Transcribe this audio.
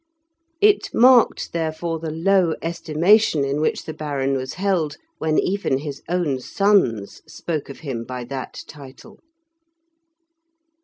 It marked, therefore, the low estimation in which the Baron was held when even his own sons spoke of him by that title.